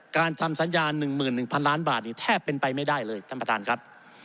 การทำสัญญา๑๑๐๐ล้านบาทนี่แทบเป็นไปไม่ได้เลยท่านประธานครับ